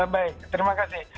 baik terima kasih